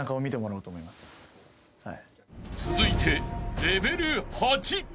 ［続いて］